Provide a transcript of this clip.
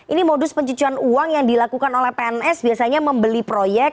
ini modus pencucian uang yang dilakukan oleh pns biasanya membeli proyek